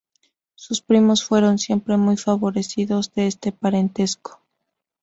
Sus primos fueron siempre muy favorecidos de este parentesco.